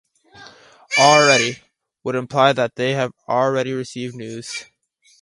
"Already" would imply that they have already received news.